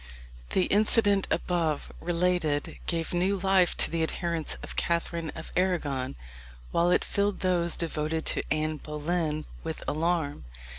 The incident above related gave new life to the adherents of Catherine of Arragon, while it filled those devoted to Anne Boleyn with alarm.